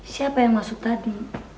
siapa yang masuk tadi